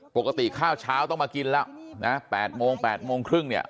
ปกติข้าวเช้าต้องมากินแล้วนะ๘โมง๘โมงครึ่งเนี่ย